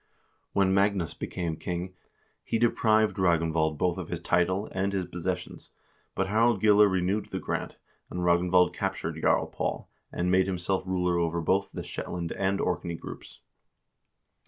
When Magnus became king, he deprived Ragnvald both of his title and his posses sions, but Harald Gille renewed the grant, and Ragnvald captured Jarl Paul, and made himself ruler over both the Shetland and Orkney groups.